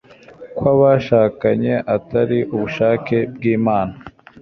kw'abashakanye atari ubushake bw'imana